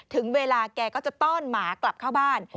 ถึงเวลาแกก็จะต้อนหมากลับเข้าบ้าน